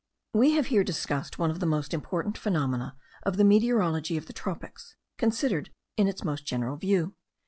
We have here discussed one of the most important phenomena of the meteorology of the tropics, considered in its most general view.